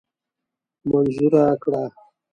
منظوره کړه.